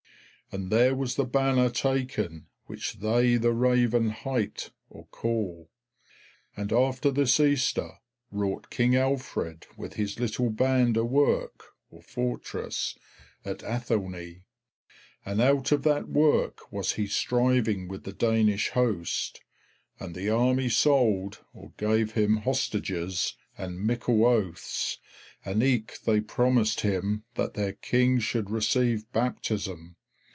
And there was the banner taken which they the Raven hight [call]. And after this Easter wrought King Alfred with his little band a work [fortress] at Athelney, and out of that work was he striving with the [Danish] host, and the army sold [gave] him hostages and mickle oaths, and eke they promised him that their King should receive baptism.